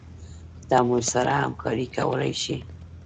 ته موږ سره همکارې کولي شي